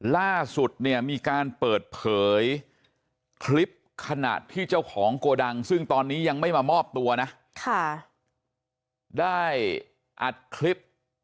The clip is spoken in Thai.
ล่าสุดเนี่ยมีการเปิดเผยคลิปขณะที่เจ้าของโกดังซึ่งตอนนี้ยังไม่มามอบตัวนะได้อัดคลิป